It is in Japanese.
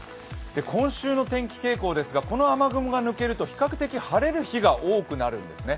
今週の天気傾向ですがこの雨雲が抜けると比較的晴れる日が多くなるんですね。